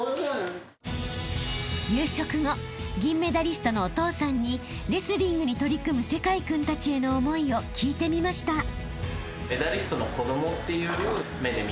［夕食後銀メダリストのお父さんにレスリングに取り組む聖魁君たちへの思いを聞いてみました］